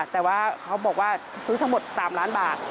แต่ว่าเขาบอกว่าซื้อทั้งหมด๓ล้านบาท